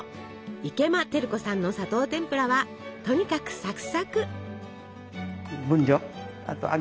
池間照子さんの砂糖てんぷらはとにかくサクサク。